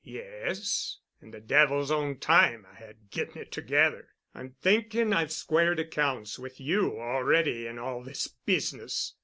"Yes. And the devil's own time I had getting it together. I'm thinking I've squared accounts with you already in all this business."